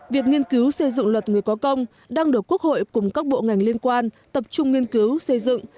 việc nghiên cứu xây dựng luật người có công đang được quốc hội cùng các bộ ngành liên quan tập trung nghiên cứu xây dựng